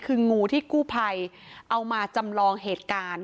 คืองูที่กู้ภัยเอามาจำลองเหตุการณ์